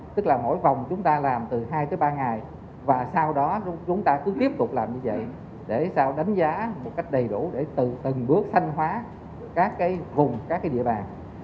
tức là mỗi vòng chúng ta làm từ hai tới ba ngày và sau đó chúng ta cứ tiếp tục làm như vậy để sao đánh giá một cách đầy đủ để từ từng bước sanh hóa các vùng các địa bàn